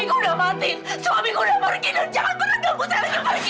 enggak suamiku udah mati